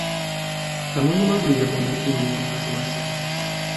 Таму не маглі ягоным іменем назваць.